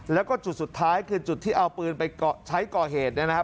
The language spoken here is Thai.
แล้วก็จุดสุดท้ายคือจุดที่เอาปืนไปใช้ก่อเหตุเนี่ยนะครับ